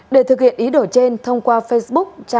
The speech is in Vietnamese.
để thực hiện ý đổi trên thông qua facebook